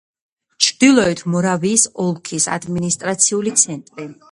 ჩრდილოეთ მორავიის ოლქის ადმინისტრაციული ცენტრი.